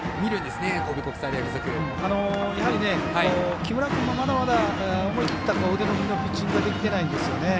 木村君もまだまだ思い切った腕の振りのピッチングができてないんですよね。